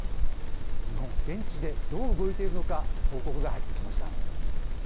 日本、現地でどう動いているのか、報告が入ってきました。